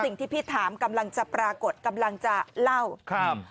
สิ่งที่พี่ถามกำลังจะปรากฏกำลังจะเล่าครับ